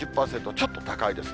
ちょっと高いですね。